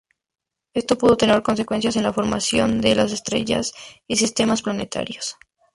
Esto pudo tener consecuencias en la formación de las estrellas y sistemas planetarios.